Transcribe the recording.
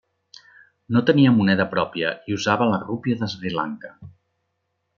No tenia moneda pròpia i usava la Rupia de Sri Lanka.